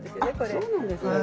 あそうなんですか。